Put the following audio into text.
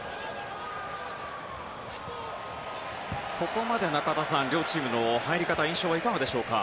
ここまで中田さん両チームの入り方の印象はいかがでしょうか。